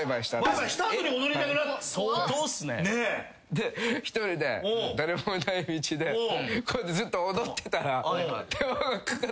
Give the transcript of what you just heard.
で１人で誰もいない道でこうやってずっと。